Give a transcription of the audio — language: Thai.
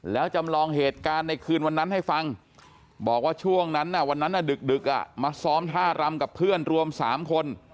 แล้วจำลองเหตุการณ์ในคืนวันนั้นให้ฟังบอกว่าช่วงนั้นวันนั้นดึกมาซ้อมท่ารำกับเพื่อนรวม๓คน